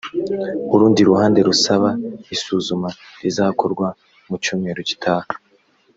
urundi ruhande rusaba isuzuma rizakorwa mun cyumweru gitaha